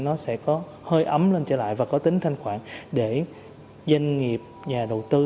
nó sẽ có hơi ấm lên trở lại và có tính thanh khoản để doanh nghiệp nhà đầu tư